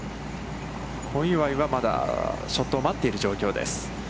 小祝は、まだショットを待っている状況です。